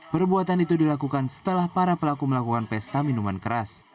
perbuatan itu dilakukan setelah para pelaku melakukan pesta minuman keras